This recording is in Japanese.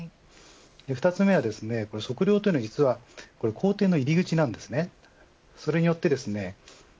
２つ目は測量というのは実は工程の入り口です。